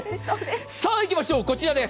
さあ、いきましょう、こちらです。